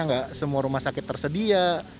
nggak semua rumah sakit tersedia